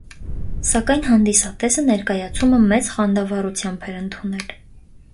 Սակայն հանդիսատեսը ներկայացումը մեծ խանդավառությամբ էր ընդունել։